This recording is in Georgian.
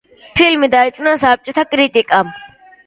ფილმი დაიწუნა საბჭოთა კრიტიკამ.